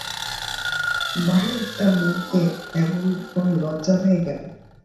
বাহিরটা মনকে এমন করে লজ্জা দেয় কেন?